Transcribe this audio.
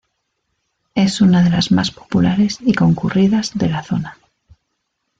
Es una de las más populares y concurridas de la zona.